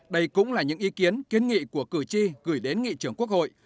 đây cũng là những ý kiến kiến nghị của cử tri gửi đến nghị trưởng quốc hội